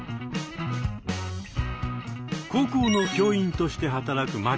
高校の教員として働く間地さん。